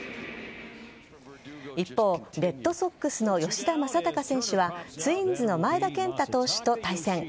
一方レッドソックスの吉田正尚選手はツインズの前田健太投手と対戦。